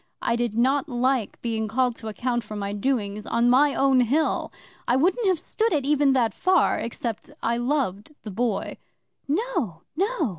I did not like being called to account for my doings on my own Hill. I wouldn't have stood it even that far except I loved the Boy. '"No! No!"